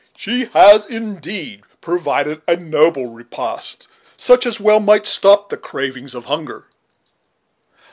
She has indeed provided a noble repast such as well might stop the cravings of hunger."